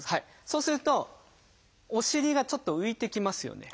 そうするとお尻がちょっと浮いてきますよね。